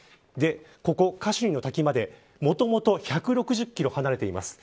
ここ、カシュニの滝までもともと１６０キロ離れています。